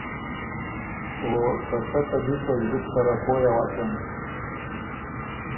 او ته سۀ ته بی په زلی بو سرۀ سره پویٛ اوسېن۔